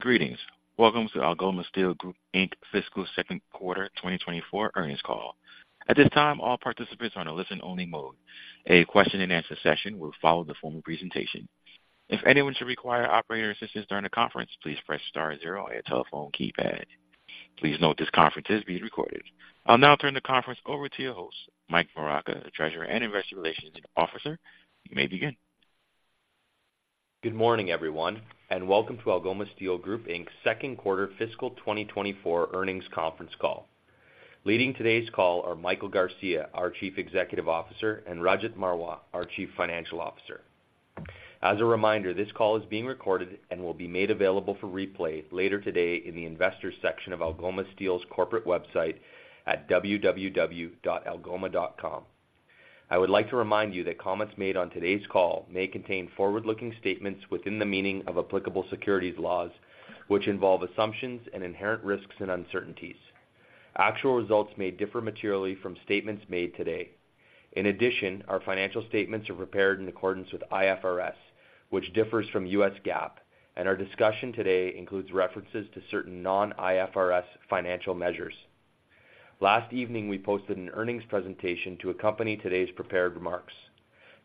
Greetings. Welcome to Algoma Steel Group, Inc. fiscal second quarter 2024 earnings call. At this time, all participants are in a listen-only mode. A question-and-answer session will follow the formal presentation. If anyone should require operator assistance during the conference, please press star zero on your telephone keypad. Please note this conference is being recorded. I'll now turn the conference over to your host, Mike Moraca, the Treasurer and Investor Relations Officer. You may begin. Good morning, everyone, and welcome to Algoma Steel Group, Inc.'s second quarter fiscal 2024 earnings conference call. Leading today's call are Michael Garcia, our Chief Executive Officer, and Rajat Marwah, our Chief Financial Officer. As a reminder, this call is being recorded and will be made available for replay later today in the Investors section of Algoma Steel's corporate website at www.algoma.com. I would like to remind you that comments made on today's call may contain forward-looking statements within the meaning of applicable securities laws, which involve assumptions and inherent risks and uncertainties. Actual results may differ materially from statements made today. In addition, our financial statements are prepared in accordance with IFRS, which differs from U.S. GAAP, and our discussion today includes references to certain non-IFRS financial measures. Last evening, we posted an earnings presentation to accompany today's prepared remarks.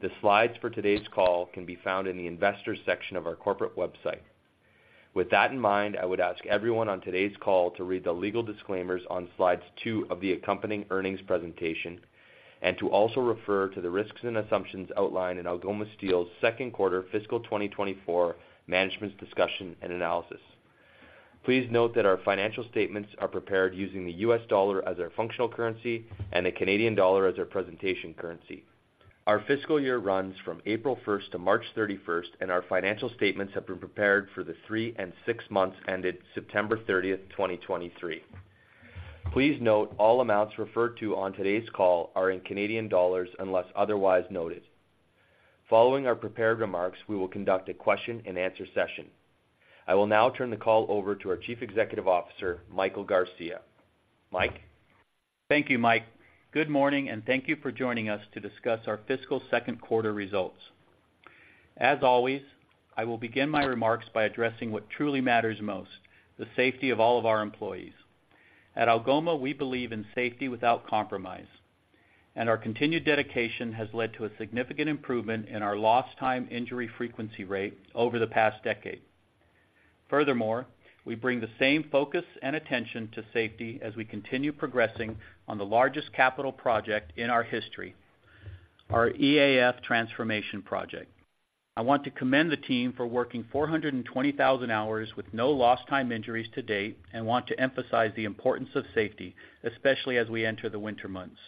The slides for today's call can be found in the Investors section of our corporate website. With that in mind, I would ask everyone on today's call to read the legal disclaimers on slide two of the accompanying earnings presentation, and to also refer to the risks and assumptions outlined in Algoma Steel's second quarter fiscal 2024 management's discussion and analysis. Please note that our financial statements are prepared using the U.S. dollar as our functional currency and the Canadian dollar as our presentation currency. Our fiscal year runs from April 1st to March 31st, and our financial statements have been prepared for the three and six months ended September 30th, 2023. Please note, all amounts referred to on today's call are in Canadian dollars, unless otherwise noted. Following our prepared remarks, we will conduct a question-and-answer session. I will now turn the call over to our Chief Executive Officer, Michael Garcia. Mike? Thank you, Mike. Good morning, and thank you for joining us to discuss our fiscal second quarter results. As always, I will begin my remarks by addressing what truly matters most, the safety of all of our employees. At Algoma, we believe in safety without compromise, and our continued dedication has led to a significant improvement in our Lost Time Injury Frequency Rate over the past decade. Furthermore, we bring the same focus and attention to safety as we continue progressing on the largest capital project in our history, our EAF transformation project. I want to commend the team for working 420,000 hours with no lost time injuries to date and want to emphasize the importance of safety, especially as we enter the winter months.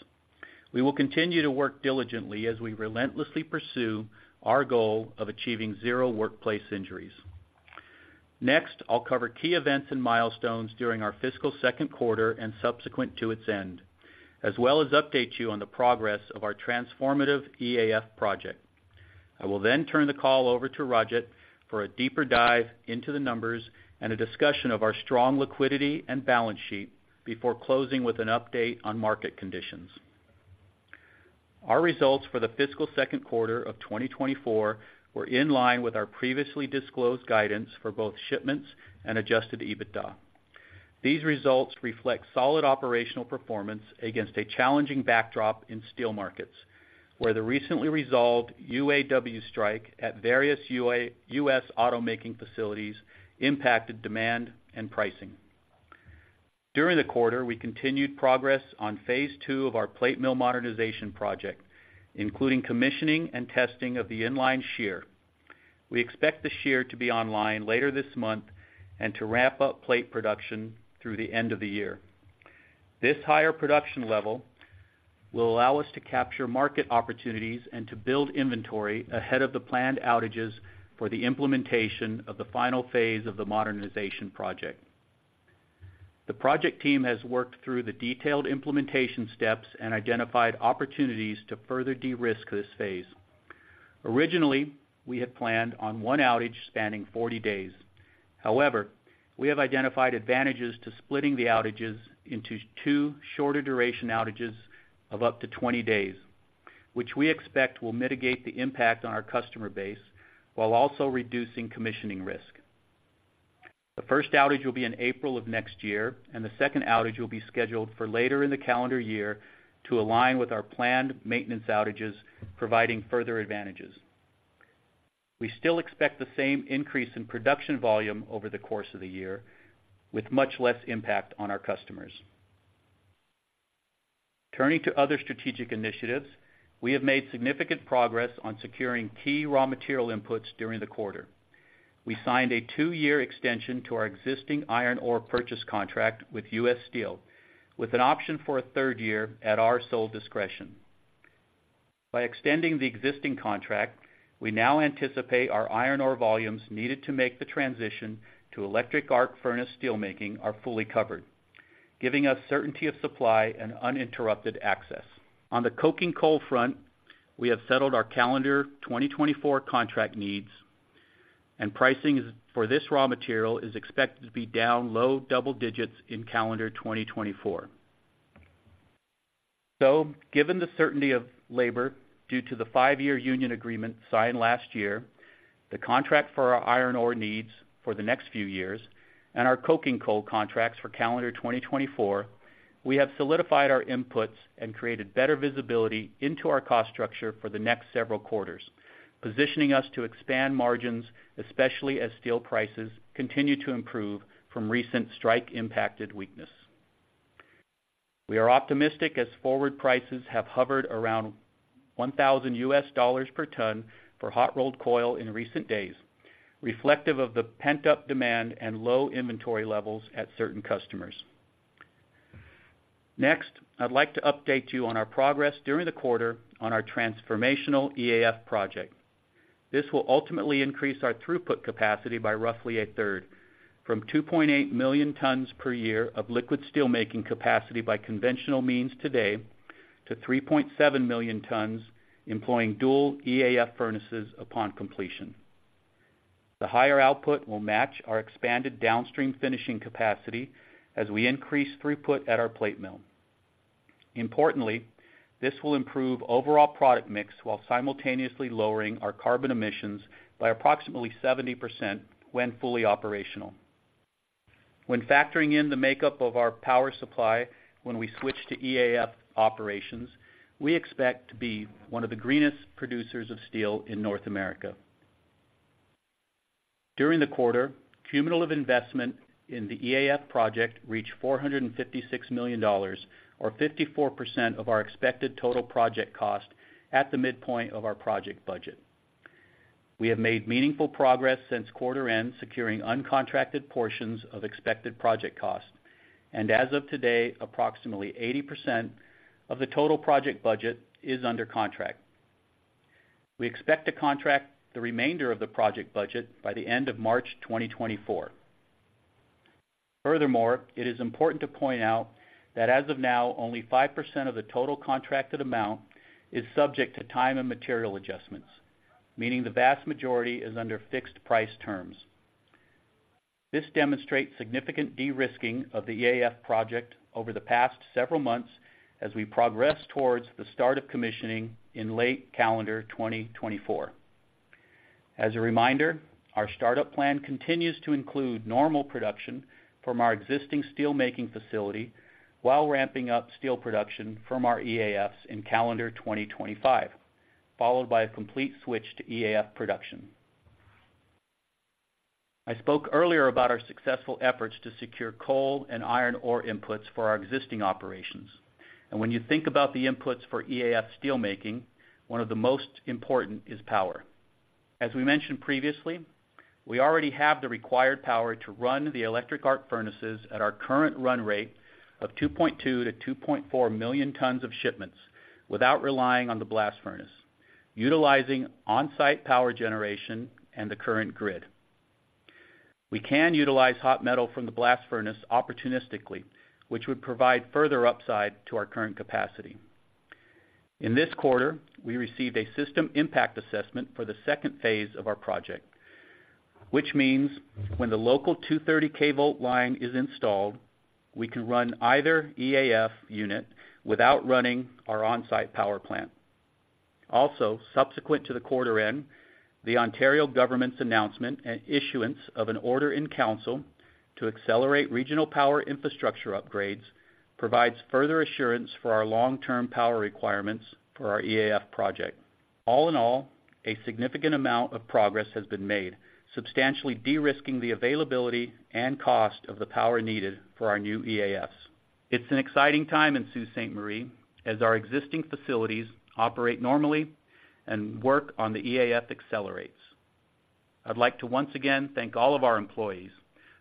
We will continue to work diligently as we relentlessly pursue our goal of achieving zero workplace injuries. Next, I'll cover key events and milestones during our fiscal second quarter and subsequent to its end, as well as update you on the progress of our transformative EAF project. I will then turn the call over to Rajat for a deeper dive into the numbers and a discussion of our strong liquidity and balance sheet before closing with an update on market conditions. Our results for the fiscal second quarter of 2024 were in line with our previously disclosed guidance for both shipments and Adjusted EBITDA. These results reflect solid operational performance against a challenging backdrop in steel markets, where the recently resolved UAW strike at various U.S. automaking facilities impacted demand and pricing. During the quarter, we continued progress on phase II of our plate mill modernization project, including commissioning and testing of the in-line shear. We expect the shear to be online later this month and to ramp up plate production through the end of the year. This higher production level will allow us to capture market opportunities and to build inventory ahead of the planned outages for the implementation of the final phase of the modernization project. The project team has worked through the detailed implementation steps and identified opportunities to further de-risk this phase. Originally, we had planned on one outage spanning 40 days. However, we have identified advantages to splitting the outages into two shorter duration outages of up to 20 days, which we expect will mitigate the impact on our customer base while also reducing commissioning risk. The first outage will be in April of next year, and the second outage will be scheduled for later in the calendar year to align with our planned maintenance outages, providing further advantages. We still expect the same increase in production volume over the course of the year with much less impact on our customers. Turning to other strategic initiatives, we have made significant progress on securing key raw material inputs during the quarter. We signed a two-year extension to our existing iron ore purchase contract with U.S. Steel, with an option for a third year at our sole discretion. By extending the existing contract, we now anticipate our iron ore volumes needed to make the transition to Electric Arc Furnace steelmaking are fully covered, giving us certainty of supply and uninterrupted access. On the coking coal front, we have settled our calendar 2024 contract needs, and pricing for this raw material is expected to be down low double digits in calendar 2024. So, given the certainty of labor due to the five-year union agreement signed last year, the contract for our iron ore needs for the next few years, and our coking coal contracts for calendar 2024, we have solidified our inputs and created better visibility into our cost structure for the next several quarters, positioning us to expand margins, especially as steel prices continue to improve from recent strike-impacted weakness. We are optimistic as forward prices have hovered around $1,000 per ton for hot-rolled coil in recent days, reflective of the pent-up demand and low inventory levels at certain customers. Next, I'd like to update you on our progress during the quarter on our transformational EAF project. This will ultimately increase our throughput capacity by roughly a third, from 2.8 million tons per year of liquid steelmaking capacity by conventional means today, to 3.7 million tons, employing dual EAF furnaces upon completion. The higher output will match our expanded downstream finishing capacity as we increase throughput at our plate mill. Importantly, this will improve overall product mix while simultaneously lowering our carbon emissions by approximately 70% when fully operational. When factoring in the makeup of our power supply when we switch to EAF operations, we expect to be one of the greenest producers of steel in North America. During the quarter, cumulative investment in the EAF project reached $456 million, or 54% of our expected total project cost, at the midpoint of our project budget. We have made meaningful progress since quarter end, securing uncontracted portions of expected project costs, and as of today, approximately 80% of the total project budget is under contract. We expect to contract the remainder of the project budget by the end of March 2024. Furthermore, it is important to point out that as of now, only 5% of the total contracted amount is subject to time and material adjustments, meaning the vast majority is under fixed-price terms. This demonstrates significant de-risking of the EAF project over the past several months as we progress towards the start of commissioning in late calendar 2024. As a reminder, our startup plan continues to include normal production from our existing steelmaking facility, while ramping up steel production from our EAFs in calendar 2025, followed by a complete switch to EAF production. I spoke earlier about our successful efforts to secure coal and iron ore inputs for our existing operations, and when you think about the inputs for EAF steelmaking, one of the most important is power. As we mentioned previously, we already have the required power to run the electric arc furnaces at our current run rate of 2.2-2.4 million tons of shipments without relying on the Blast Furnace, utilizing on-site power generation and the current grid. We can utilize hot metal from the Blast Furnace opportunistically, which would provide further upside to our current capacity. In this quarter, we received a System Impact Assessment for the second phase of our project, which means when the local 230 kV line is installed, we can run either EAF unit without running our on-site power plant. Also, subsequent to the quarter end, the Ontario government's announcement and issuance of an order in council to accelerate regional power infrastructure upgrades provides further assurance for our long-term power requirements for our EAF project. All in all, a significant amount of progress has been made, substantially de-risking the availability and cost of the power needed for our new EAFs. It's an exciting time in Sault Ste. Marie, as our existing facilities operate normally and work on the EAF accelerates. I'd like to once again thank all of our employees,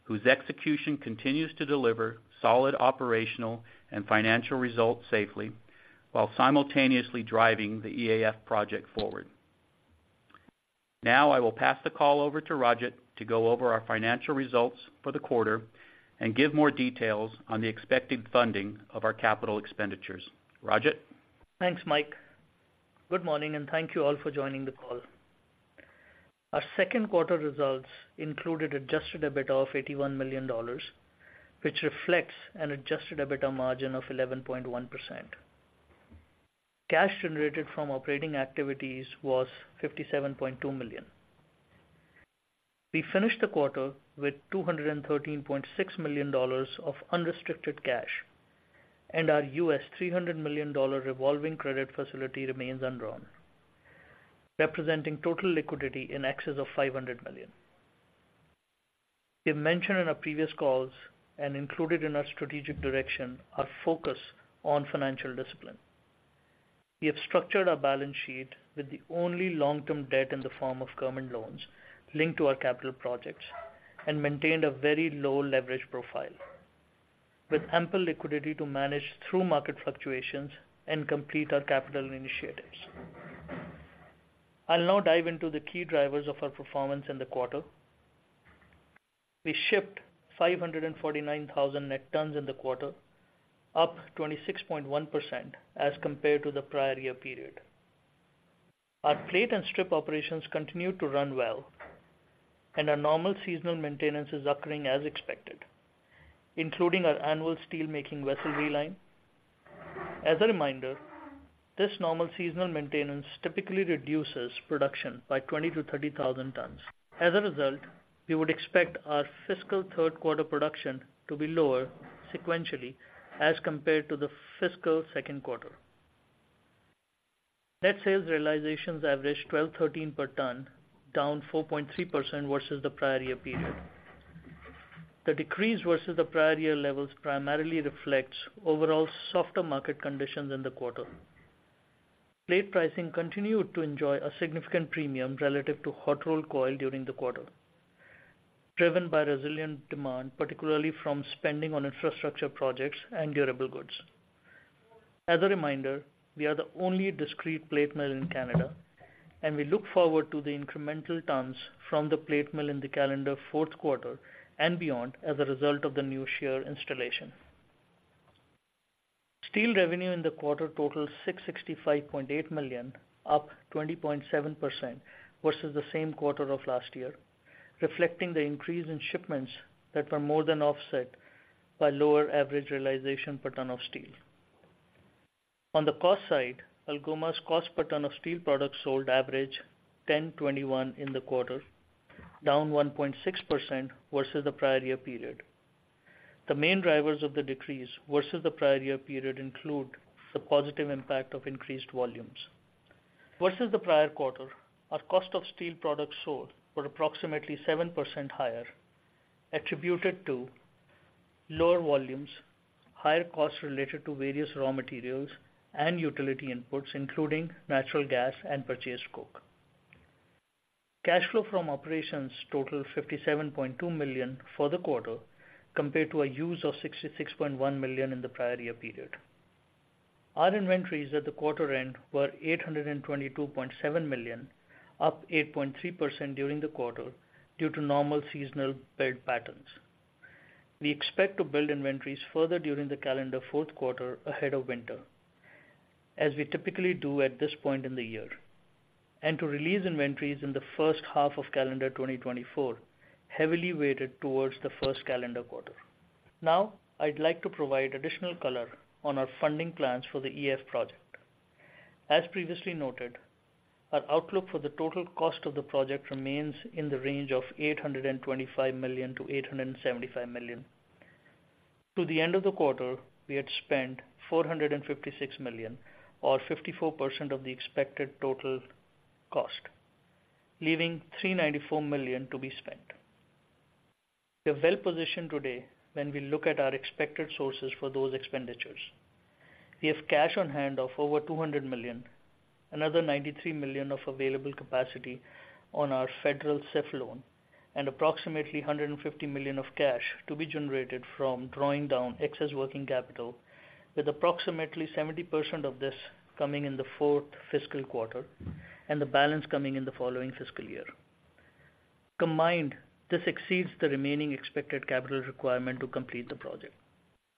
whose execution continues to deliver solid operational and financial results safely, while simultaneously driving the EAF project forward. Now, I will pass the call over to Rajat to go over our financial results for the quarter and give more details on the expected funding of our capital expenditures. Rajat? Thanks, Mike. Good morning, and thank you all for joining the call. Our second quarter results included Adjusted EBITDA of $81 million, which reflects an Adjusted EBITDA margin of 11.1%. Cash generated from operating activities was $57.2 million. We finished the quarter with $213.6 million of unrestricted cash, and our U.S. $300 million revolving credit facility remains undrawn, representing total liquidity in excess of $500 million. We have mentioned in our previous calls and included in our strategic direction, our focus on financial discipline. We have structured our balance sheet with the only long-term debt in the form of government loans linked to our capital projects and maintained a very low leverage profile, with ample liquidity to manage through market fluctuations and complete our capital initiatives. I'll now dive into the key drivers of our performance in the quarter. We shipped 549,000 net tons in the quarter, up 26.1% as compared to the prior year period. Our plate and strip operations continue to run well, and our normal seasonal maintenance is occurring as expected, including our annual steelmaking vessel reline. As a reminder, this normal seasonal maintenance typically reduces production by 20,000-30,000 tons. As a result, we would expect our fiscal third quarter production to be lower sequentially as compared to the fiscal second quarter. Net sales realizations averaged $1,213 per ton, down 4.3% versus the prior year period. The decrease versus the prior year levels primarily reflects overall softer market conditions in the quarter. Plate pricing continued to enjoy a significant premium relative to hot rolled coil during the quarter, driven by resilient demand, particularly from spending on infrastructure projects and durable goods. As a reminder, we are the only discrete plate mill in Canada, and we look forward to the incremental tons from the plate mill in the calendar fourth quarter and beyond as a result of the new shear installation. Steel revenue in the quarter totaled $665.8 million, up 20.7% versus the same quarter of last year, reflecting the increase in shipments that were more than offset by lower average realization per ton of steel. On the cost side, Algoma's cost per ton of steel products sold averaged $1,021 in the quarter, down 1.6% versus the prior year period. The main drivers of the decrease versus the prior year period include the positive impact of increased volumes. Versus the prior quarter, our cost of steel products sold were approximately 7% higher, attributed to lower volumes, higher costs related to various raw materials and utility inputs, including natural gas and purchased coke. Cash flow from operations totaled $57.2 million for the quarter, compared to a use of $66.1 million in the prior year period. Our inventories at the quarter end were $822.7 million, up 8.3% during the quarter due to normal seasonal build patterns. We expect to build inventories further during the calendar fourth quarter ahead of winter, as we typically do at this point in the year, and to release inventories in the first half of calendar 2024, heavily weighted towards the first calendar quarter. Now, I'd like to provide additional color on our funding plans for the EF project. As previously noted, our outlook for the total cost of the project remains in the range of $825 million-$875 million. To the end of the quarter, we had spent $456 million, or 54% of the expected total cost, leaving $394 million to be spent. We are well positioned today when we look at our expected sources for those expenditures. We have cash on hand of over $200 million, another $93 million of available capacity on our federal SIF loan, and approximately $150 million of cash to be generated from drawing down excess working capital, with approximately 70% of this coming in the fourth fiscal quarter and the balance coming in the following fiscal year. Combined, this exceeds the remaining expected capital requirement to complete the project.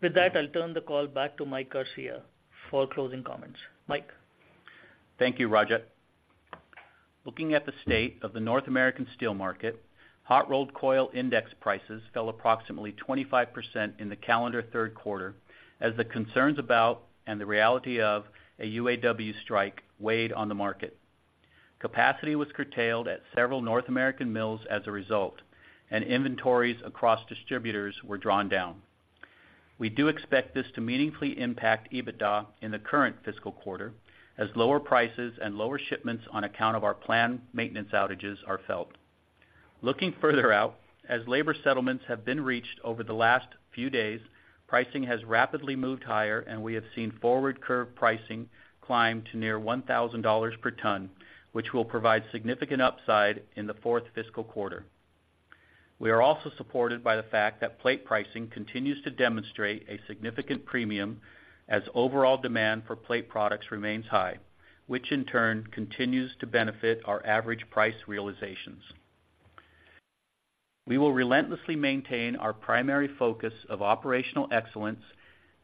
With that, I'll turn the call back to Mike Garcia for closing comments. Mike? Thank you, Rajat. Looking at the state of the North American steel market, hot rolled coil index prices fell approximately 25% in the calendar third quarter, as the concerns about and the reality of a UAW strike weighed on the market. Capacity was curtailed at several North American mills as a result, and inventories across distributors were drawn down. We do expect this to meaningfully impact EBITDA in the current fiscal quarter, as lower prices and lower shipments on account of our planned maintenance outages are felt. Looking further out, as labor settlements have been reached over the last few days, pricing has rapidly moved higher, and we have seen forward-curve pricing climb to near $1,000 per ton, which will provide significant upside in the fourth fiscal quarter. We are also supported by the fact that plate pricing continues to demonstrate a significant premium as overall demand for plate products remains high, which in turn continues to benefit our average price realizations. We will relentlessly maintain our primary focus of operational excellence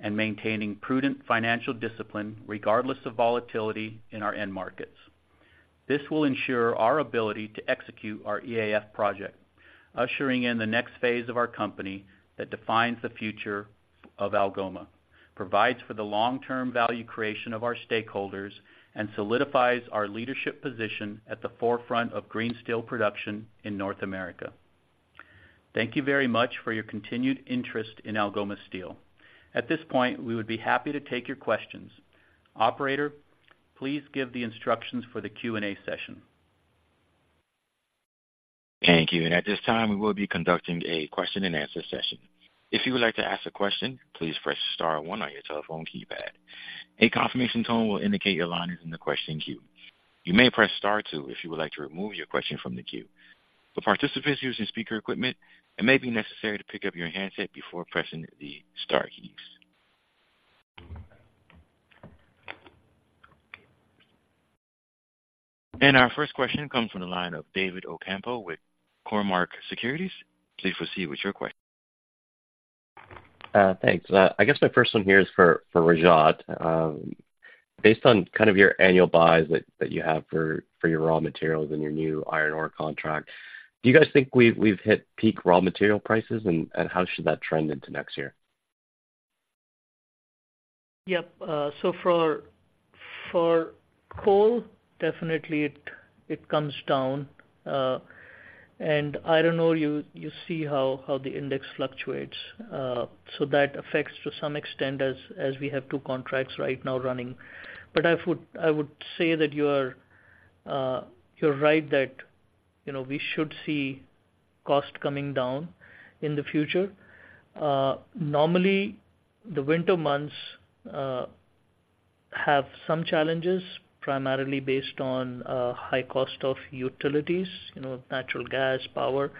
and maintaining prudent financial discipline, regardless of volatility in our end markets. This will ensure our ability to execute our EAF project, ushering in the next phase of our company that defines the future of Algoma, provides for the long-term value creation of our stakeholders, and solidifies our leadership position at the forefront of green steel production in North America. Thank you very much for your continued interest in Algoma Steel. At this point, we would be happy to take your questions. Operator, please give the instructions for the Q&A session. Thank you. At this time, we will be conducting a question-and-answer session. If you would like to ask a question, please press star one on your telephone keypad. A confirmation tone will indicate your line is in the question queue. You may press star two if you would like to remove your question from the queue. For participants using speaker equipment, it may be necessary to pick up your handset before pressing the star keys. Our first question comes from the line of David Ocampo with Cormark Securities. Please proceed with your question. Thanks. I guess my first one here is for Rajat. Based on kind of your annual buys that you have for your raw materials and your new iron ore contract, do you guys think we've hit peak raw material prices? And how should that trend into next year? Yep. So for coal, definitely, it comes down. And iron ore, you see how the index fluctuates. So that affects to some extent as we have two contracts right now running. But I would say that you are right, that you know, we should see cost coming down in the future. Normally, the winter months have some challenges, primarily based on high cost of utilities, you know, natural gas, power,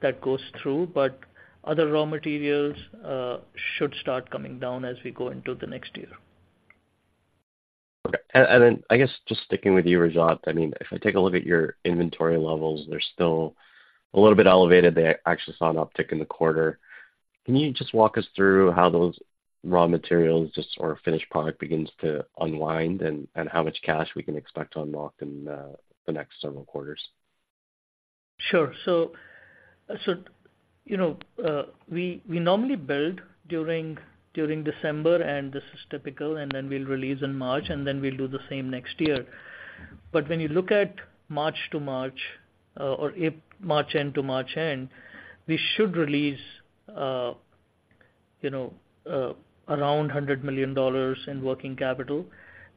that goes through, but other raw materials should start coming down as we go into the next year. Okay. Then, I guess, just sticking with you, Rajat, I mean, if I take a look at your inventory levels, they're still a little bit elevated. They actually saw an uptick in the quarter. Can you just walk us through how those raw materials just, or finished product begins to unwind, and how much cash we can expect to unlock in the next several quarters? Sure. So, you know, we normally build during December, and this is typical, and then we'll release in March, and then we'll do the same next year. But when you look at March to March, or if March end to March end, we should release, you know, around $100 million in working capital.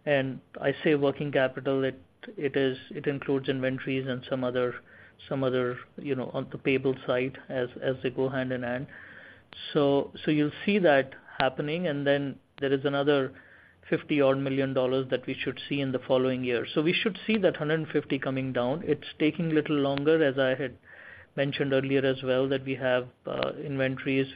And I say working capital, it includes inventories and some other, you know, on the payable side, as they go hand in hand. So you'll see that happening, and then there is another $50-odd million that we should see in the following year. So we should see that $150 coming down. It's taking a little longer, as I had mentioned earlier as well, that we have inventories,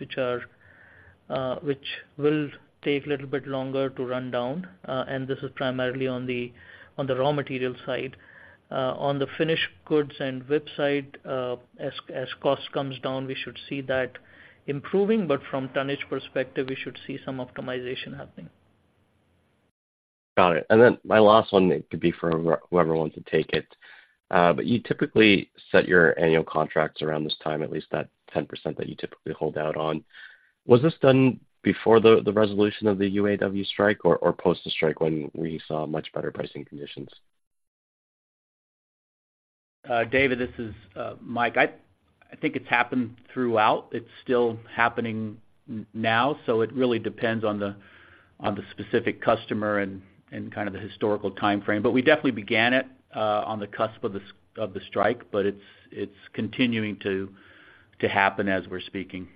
which will take a little bit longer to run down. And this is primarily on the raw material side. On the finished goods and WIP side, as cost comes down, we should see that improving, but from tonnage perspective, we should see some optimization happening. Got it. And then my last one, it could be for whoever wants to take it. But you typically set your annual contracts around this time, at least that 10% that you typically hold out on. Was this done before the resolution of the UAW strike or post the strike when we saw much better pricing conditions? David, this is Mike. I think it's happened throughout. It's still happening now, so it really depends on the specific customer and kind of the historical timeframe. But we definitely began it on the cusp of the strike, but it's continuing to happen as we're speaking.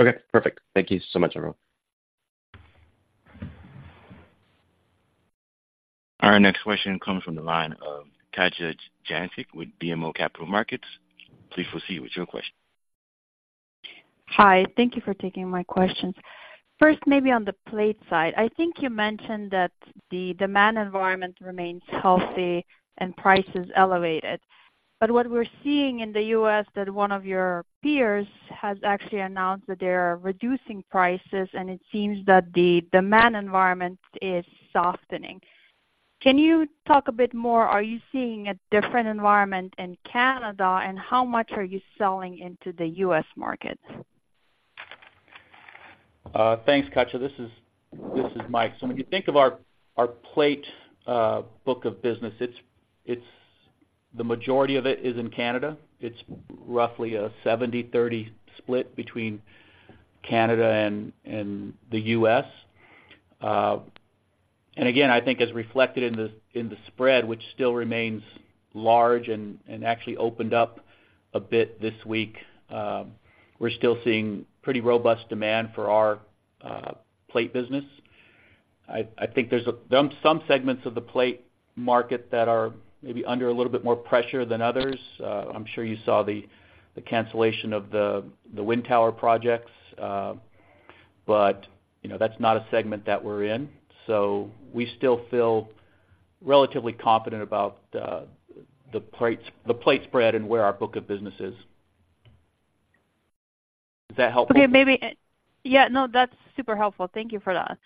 Okay, perfect. Thank you so much, everyone. Our next question comes from the line of Katja Jancic with BMO Capital Markets. Please proceed with your question. Hi, thank you for taking my questions. First, maybe on the plate side. I think you mentioned that the demand environment remains healthy and prices elevated. But what we're seeing in the U.S., that one of your peers has actually announced that they're reducing prices, and it seems that the demand environment is softening. Can you talk a bit more? Are you seeing a different environment in Canada, and how much are you selling into the U.S. market? Thanks, Katja. This is Mike. So when you think of our plate book of business, it's, the majority of it is in Canada. It's roughly a 70-30 split between Canada and the U.S. And again, I think as reflected in the spread, which still remains large and actually opened up a bit this week, we're still seeing pretty robust demand for our plate business. I think there's a, there are some segments of the plate market that are maybe under a little bit more pressure than others. I'm sure you saw the cancellation of the wind tower projects. But, you know, that's not a segment that we're in, so we still feel relatively confident about the plates, the plate spread and where our book of business is. Does that help? Okay, maybe, Yeah, no, that's super helpful. Thank you for that.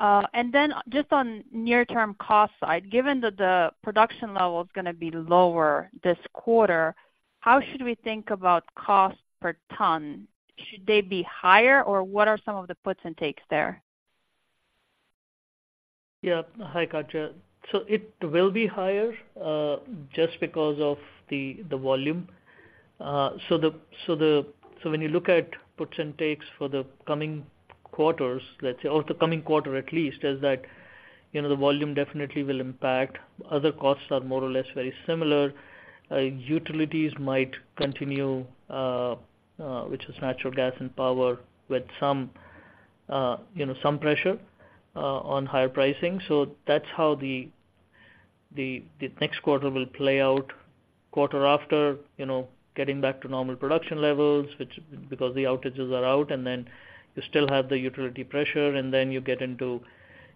And then just on near-term cost side, given that the production level is gonna be lower this quarter, how should we think about cost per ton? Should they be higher, or what are some of the puts and takes there? Yeah. Hi, Katja. So it will be higher, just because of the volume. So when you look at puts and takes for the coming quarters, let's say, or the coming quarter at least, you know, the volume definitely will impact. Other costs are more or less very similar. Utilities might continue, which is natural gas and power, with some, you know, some pressure on higher pricing. So that's how the next quarter will play out. Quarter after, you know, getting back to normal production levels, which because the outages are out, and then you still have the utility pressure, and then you get into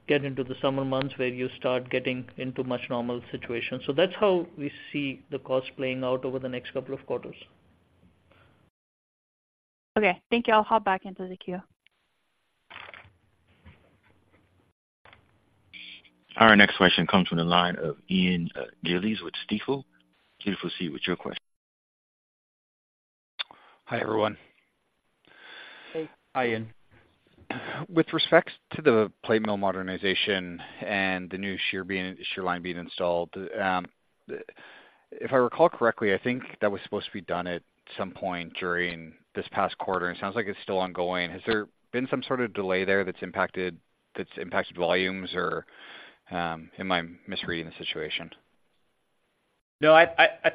the summer months, where you start getting into much normal situation. So that's how we see the cost playing out over the next couple of quarters. Okay, thank you. I'll hop back into the queue.... Our next question comes from the line of Ian Gillies with Stifel. Please proceed with your question. Hi, everyone. Hey. Hi, Ian. With respect to the plate mill modernization and the new shear line being installed, if I recall correctly, I think that was supposed to be done at some point during this past quarter, and it sounds like it's still ongoing. Has there been some sort of delay there that's impacted volumes, or am I misreading the situation? No, I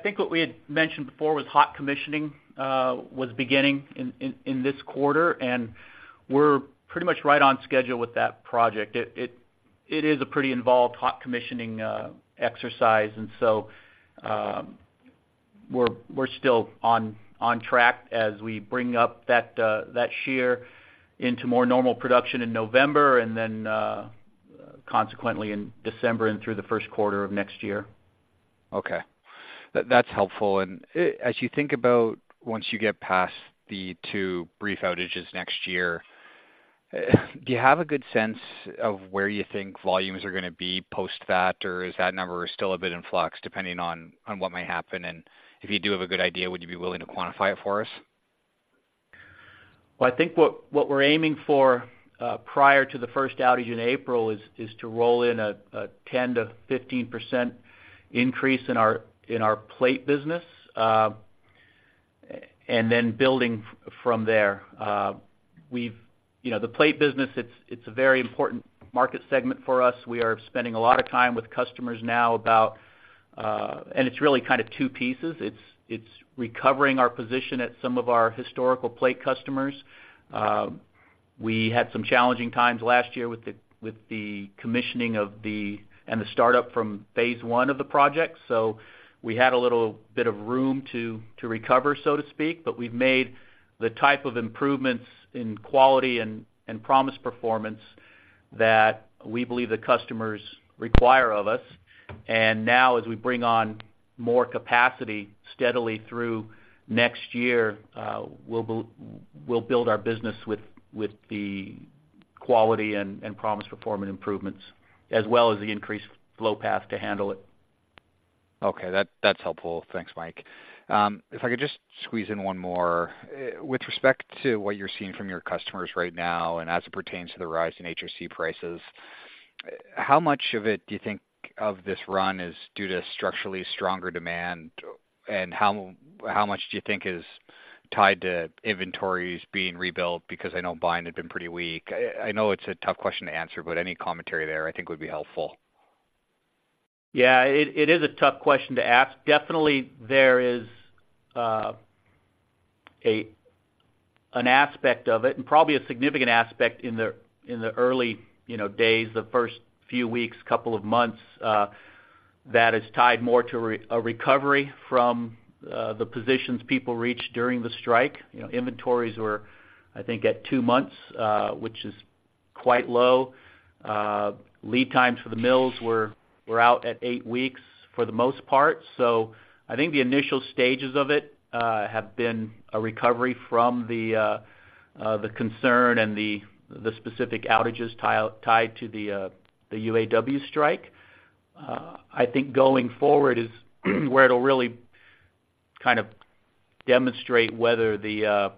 think what we had mentioned before was hot commissioning was beginning in this quarter, and we're pretty much right on schedule with that project. It is a pretty involved hot commissioning exercise, and so, we're still on track as we bring up that shear into more normal production in November and then, consequently, in December and through the first quarter of next year. Okay. That's helpful. And, as you think about once you get past the two brief outages next year, do you have a good sense of where you think volumes are gonna be post that, or is that number still a bit in flux, depending on what might happen? And if you do have a good idea, would you be willing to quantify it for us? Well, I think what we're aiming for prior to the first outage in April is to roll in a 10%-15% increase in our plate business, and then building from there. You know, the plate business, it's a very important market segment for us. We are spending a lot of time with customers now about. It's really kind of two pieces. It's recovering our position at some of our historical plate customers. We had some challenging times last year with the commissioning of the and the startup from phase I of the project, so we had a little bit of room to recover, so to speak. But we've made the type of improvements in quality and promise performance that we believe the customers require of us. Now, as we bring on more capacity steadily through next year, we'll build our business with the quality and promise performance improvements, as well as the increased flow path to handle it. Okay, that's helpful. Thanks, Mike. If I could just squeeze in one more. With respect to what you're seeing from your customers right now and as it pertains to the rise in HRC prices, how much of it do you think of this run is due to structurally stronger demand, and how much do you think is tied to inventories being rebuilt? Because I know buying had been pretty weak. I know it's a tough question to answer, but any commentary there, I think, would be helpful. Yeah, it is a tough question to ask. Definitely, there is an aspect of it, and probably a significant aspect in the early, you know, days, the first few weeks, couple of months, that is tied more to a recovery from the positions people reached during the strike. You know, inventories were, I think, at two months, which is quite low. Lead times for the mills were out at eight weeks for the most part. So I think the initial stages of it have been a recovery from the concern and the specific outages tied to the UAW strike. I think going forward is where it'll really kind of demonstrate whether the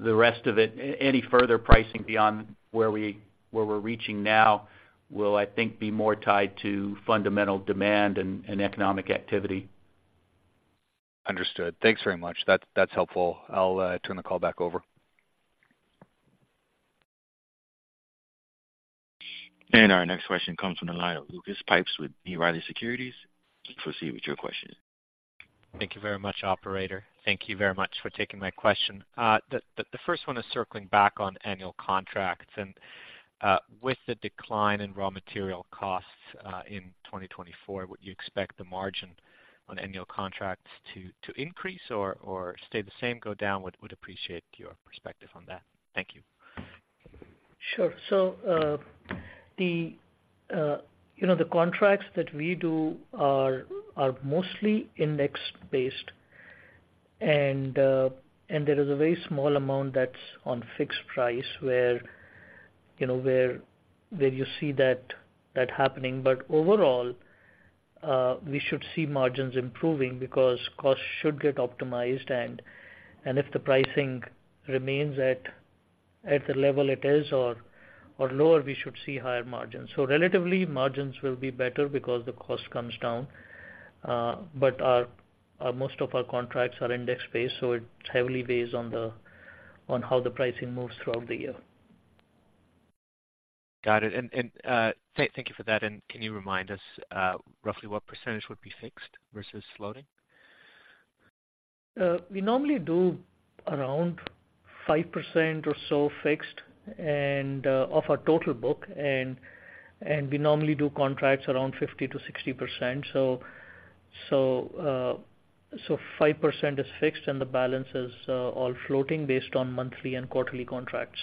rest of it, any further pricing beyond where we're reaching now, will, I think, be more tied to fundamental demand and economic activity. Understood. Thanks very much. That, that's helpful. I'll turn the call back over. Our next question comes from the line of Lucas Pipes with B. Riley Securities. Please proceed with your question. Thank you very much, operator. Thank you very much for taking my question. The first one is circling back on annual contracts, and with the decline in raw material costs in 2024, would you expect the margin on annual contracts to increase or stay the same, go down? Would appreciate your perspective on that. Thank you. Sure. So, you know, the contracts that we do are mostly index-based, and there is a very small amount that's on fixed price, where, you know, where you see that happening. But overall, we should see margins improving because costs should get optimized, and if the pricing remains at the level it is or lower, we should see higher margins. So relatively, margins will be better because the cost comes down. But our most of our contracts are index-based, so it heavily weighs on how the pricing moves throughout the year. Got it. Thank you for that. And can you remind us, roughly, what percentage would be fixed versus floating? We normally do around 5% or so fixed, and of our total book, and we normally do contracts around 50%-60%. Five percent is fixed, and the balance is all floating based on monthly and quarterly contracts.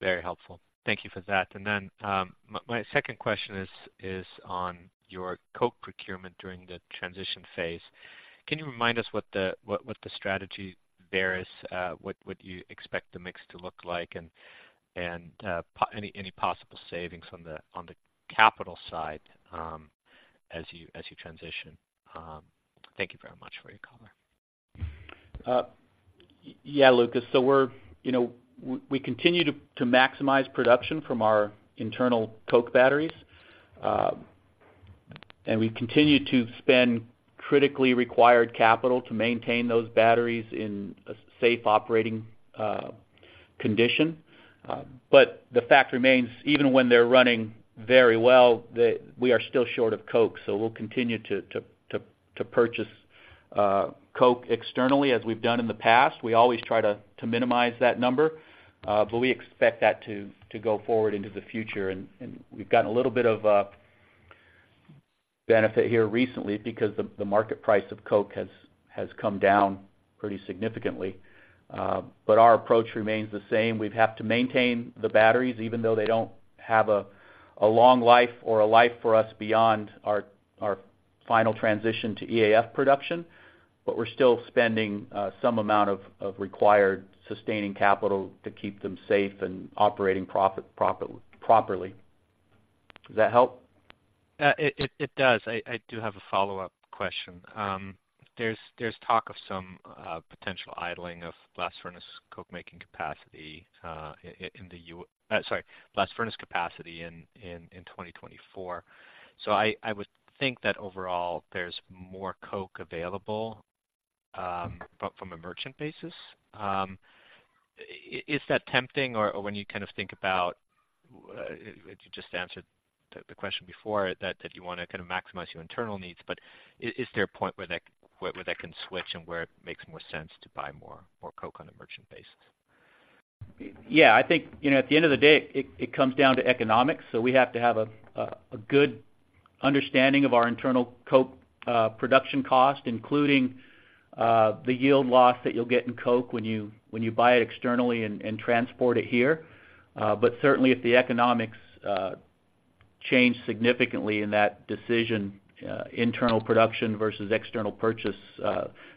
Very helpful. Thank you for that. And then my second question is on your coke procurement during the transition phase. Can you remind us what the strategy there is? What do you expect the mix to look like, and any possible savings on the capital side as you transition. Thank you very much for your color. Yeah, Lukas, so we're, you know, we continue to maximize production from our internal coke batteries. And we continue to spend critically required capital to maintain those batteries in a safe operating condition. But the fact remains even when they're running very well, we are still short of coke, so we'll continue to purchase coke externally, as we've done in the past. We always try to minimize that number, but we expect that to go forward into the future. And we've gotten a little bit of a benefit here recently because the market price of coke has come down pretty significantly. But our approach remains the same. We'd have to maintain the batteries, even though they don't have a long life or a life for us beyond our final transition to EAF production. But we're still spending some amount of required sustaining capital to keep them safe and operating properly. Does that help? It does. I do have a follow-up question. There's talk of some potential idling of blast furnace coke-making capacity, sorry, blast furnace capacity in 2024. So I would think that overall, there's more coke available from a merchant basis. Is that tempting or when you kind of think about, you just answered the question before, that you wanna kind of maximize your internal needs. But is there a point where that can switch and where it makes more sense to buy more coke on a merchant basis? Yeah, I think, you know, at the end of the day, it comes down to economics. So we have to have a good understanding of our internal coke production cost, including the yield loss that you'll get in coke when you buy it externally and transport it here. But certainly, if the economics change significantly in that decision, internal production versus external purchase,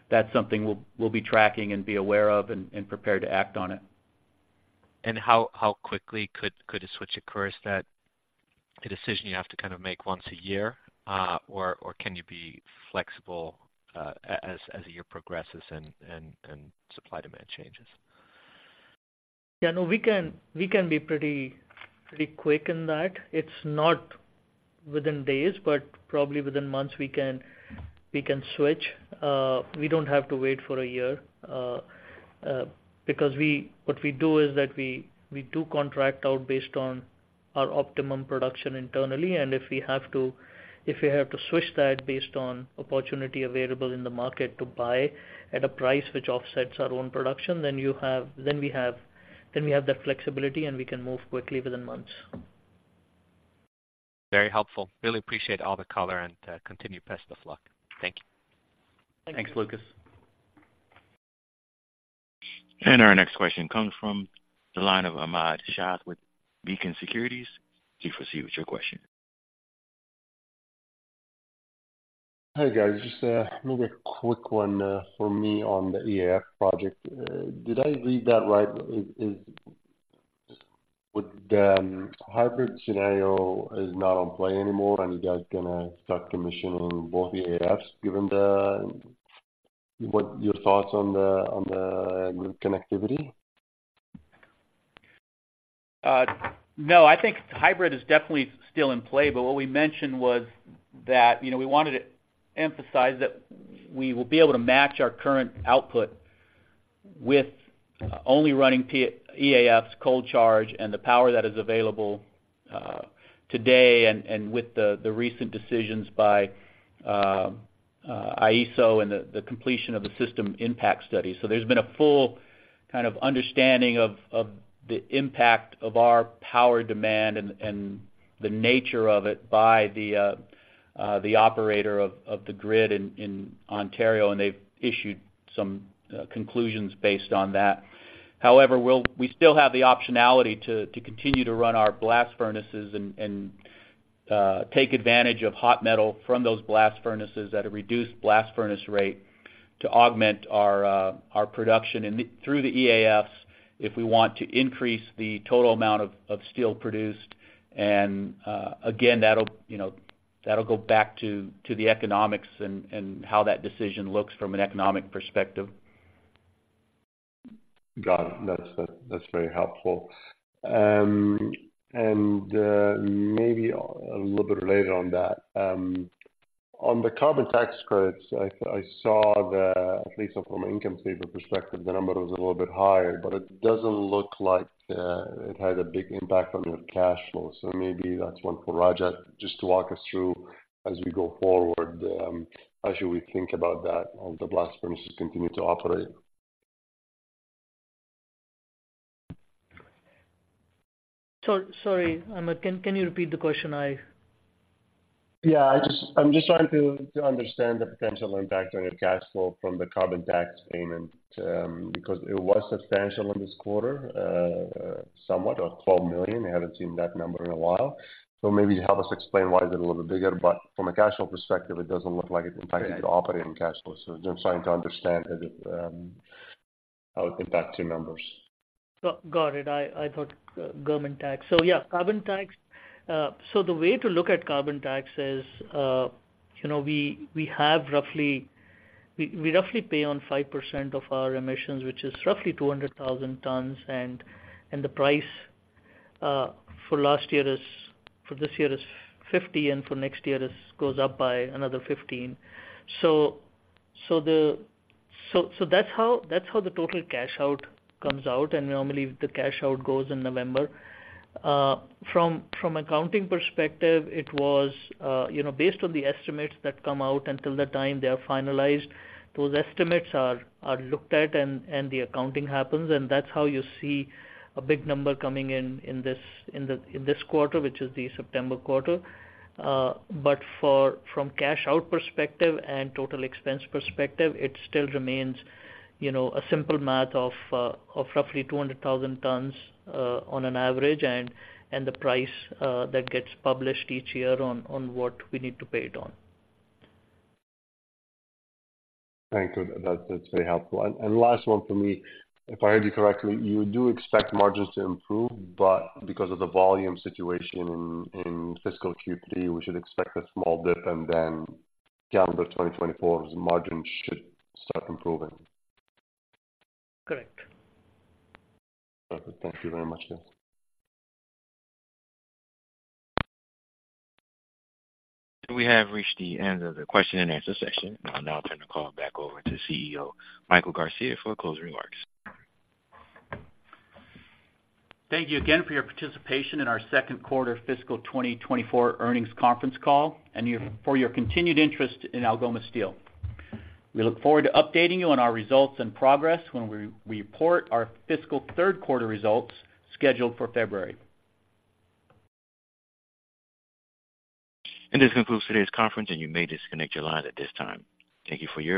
that's something we'll be tracking and be aware of and prepared to act on it. How quickly could a switch occur? Is that a decision you have to kind of make once a year, or can you be flexible, as the year progresses and supply-demand changes? Yeah, no, we can be pretty quick in that. It's not within days, but probably within months we can switch. We don't have to wait for a year, because what we do is that we do contract out based on our optimum production internally. And if we have to switch that based on opportunity available in the market to buy at a price which offsets our own production, then we have that flexibility, and we can move quickly within months. Very helpful. Really appreciate all the color and, continued best of luck. Thank you. Thank you. Thanks, Lucas. Our next question comes from the line of Ahmad Shaath with Beacon Securities. Please proceed with your question. Hey, guys. Just maybe a quick one for me on the EAF project. Did I read that right? Would the hybrid scenario is not on play anymore, and you guys gonna start commissioning both EAFs, given the... What your thoughts on the grid connectivity? No, I think hybrid is definitely still in play. But what we mentioned was that, you know, we wanted to emphasize that we will be able to match our current output with only running EAFs, cold charge, and the power that is available today, and with the recent decisions by IESO and the completion of the system impact study. So there's been a full kind of understanding of the impact of our power demand and the nature of it by the operator of the grid in Ontario, and they've issued some conclusions based on that. However, we'll still have the optionality to continue to run our blast furnaces and take advantage of hot metal from those blast furnaces at a reduced blast furnace rate to augment our production through the EAFs if we want to increase the total amount of steel produced. And again, that'll, you know, that'll go back to the economics and how that decision looks from an economic perspective. Got it. That's very helpful. Maybe a little bit related on that. On the carbon tax credits, I saw the, at least from an income statement perspective, the number was a little bit higher, but it doesn't look like it had a big impact on your cash flow. Maybe that's one for Rajat, just to walk us through as we go forward, how should we think about that as the blast furnaces continue to operate? Sorry, Ahmad, can you repeat the question? I- Yeah, I just... I'm just trying to understand the potential impact on your cash flow from the carbon tax payment, because it was substantial in this quarter, somewhat of 12 million. We haven't seen that number in a while. So maybe help us explain why is it a little bit bigger, but from a cash flow perspective, it doesn't look like it impacted. Yeah Your operating cash flow. So I'm just trying to understand it, how it impacts your numbers? Got it. I thought government tax. So yeah, carbon tax. So the way to look at carbon tax is, you know, we roughly pay on 5% of our emissions, which is roughly 200,000 tons. And the price for last year is, for this year is 50, and for next year goes up by another 15. So that's how the total cash out comes out, and normally the cash out goes in November. From accounting perspective, it was, you know, based on the estimates that come out until the time they are finalized, those estimates are looked at and the accounting happens, and that's how you see a big number coming in, in this quarter, which is the September quarter. But from cash out perspective and total expense perspective, it still remains, you know, a simple math of roughly 200,000 tons on an average, and the price that gets published each year on what we need to pay it on. Thank you. That's very helpful. And last one for me. If I heard you correctly, you do expect margins to improve, but because of the volume situation in fiscal Q3, we should expect a small dip and then calendar 2024's margins should start improving? Correct. Perfect. Thank you very much, sir. We have reached the end of the question and answer session. I'll now turn the call back over to CEO, Michael Garcia, for closing remarks. Thank you again for your participation in our second quarter fiscal 2024 earnings conference call, and your continued interest in Algoma Steel. We look forward to updating you on our results and progress when we report our fiscal third quarter results, scheduled for February. This concludes today's conference, and you may disconnect your lines at this time. Thank you for your participation.